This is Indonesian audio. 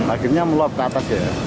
akhirnya meluap ke atas ya